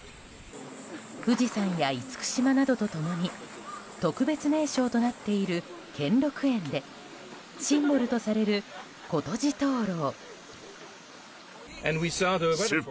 富士山や厳島などと共に特別名勝となっている兼六園でシンボルとされる徽軫灯籠。